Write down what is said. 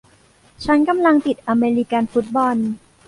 ฉันกำลังติดอเมริกันฟุตบอล